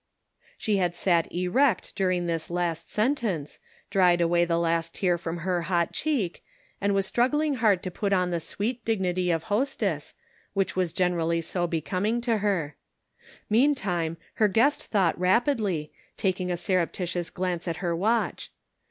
309 She had sat erect during this last sentence, dried away the last tear from her hot cheek, and was struggling hard to put on the sweet dignity of hostess, which wns generally so be coming to her. Meantime her guest thought rapidly, taking a surreptitious glance at her watch.